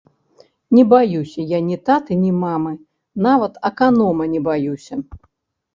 Не баюся я ні таты, ні мамы, нават аканома не баюся!